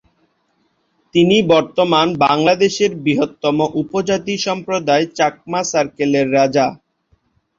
তিনি বর্তমান বাংলাদেশের বৃহত্তম উপজাতি সম্প্রদায় চাকমা সার্কেলের রাজা।